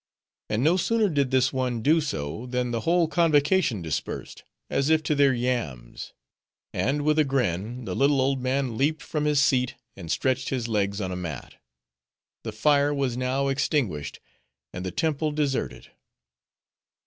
And no sooner did this one do so, than the whole convocation dispersed, as if to their yams; and with a grin, the little old man leaped from his seat, and stretched his legs on a mat. The fire was now extinguished, and the temple deserted.